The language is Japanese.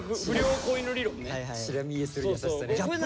チラ見えする優しさね。